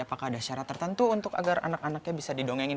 apakah ada syarat tertentu untuk agar anak anaknya bisa didongengin